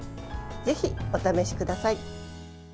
ぜひお試しください。